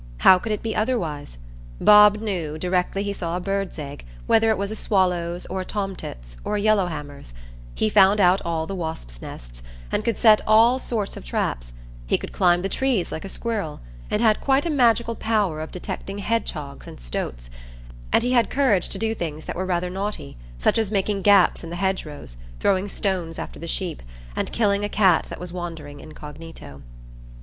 How could it be otherwise? Bob knew, directly he saw a bird's egg, whether it was a swallow's, or a tomtit's, or a yellow hammer's; he found out all the wasps' nests, and could set all sorts of traps; he could climb the trees like a squirrel, and had quite a magical power of detecting hedgehogs and stoats; and he had courage to do things that were rather naughty, such as making gaps in the hedgerows, throwing stones after the sheep, and killing a cat that was wandering incognito.